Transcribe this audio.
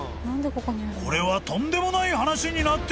［これはとんでもない話になってきた！］